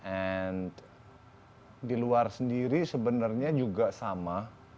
and di luar sendiri sebenarnya juga sama